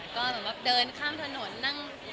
ก็เดินข้ามถนนนั่ง